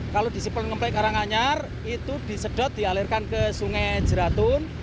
kalau di sipon ngeplek harang anyar itu disedot dialirkan ke sungai jeratun